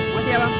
mau siap bang